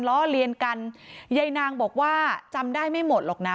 ล้อเลียนกันยายนางบอกว่าจำได้ไม่หมดหรอกนะ